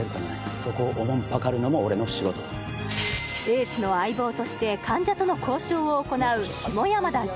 そこをおもんぱかるのも俺の仕事だエースの相棒として患者との交渉を行う下山田譲